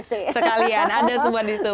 sekalian ada semua di situ